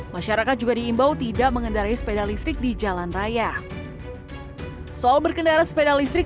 masyarakat yang mengawasi anak mereka dalam mengendarai sepeda listrik